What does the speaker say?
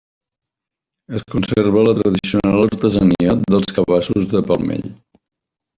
Es conserva la tradicional artesania dels cabassos de palmell.